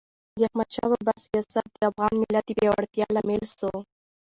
د احمد شاه بابا سیاست د افغان ملت د پیاوړتیا لامل سو.